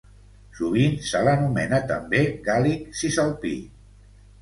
Sovint se l’anomena també gàl·lic cisalpí.